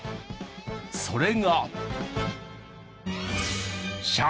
それが。